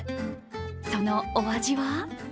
そのお味は？